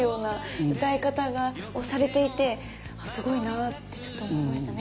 歌い方がをされていてあすごいなってちょっと思いましたね。